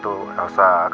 aku sudah bisa pak